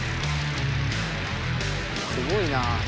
すごいなあ。